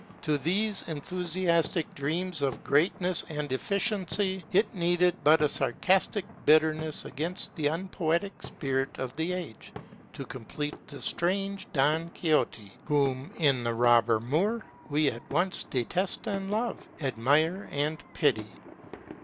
To these enthusiast dreams of greatness and efficiency it needed but a sarcastic bitterness against the unpoetic spirit of the age to complete the strange Don Quixote whom, in the Robber Moor, we at once detest and love, admire and pity.